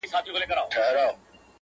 • هری خواته یې شنېلۍ وې ښکارېدلې -